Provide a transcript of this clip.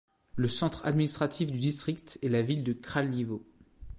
Le centre administratif du district est la ville de Kraljevo.